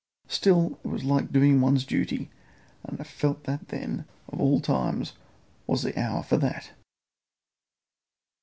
Still it was like doing one's duty, and I felt that then, of all times, was the hour for that.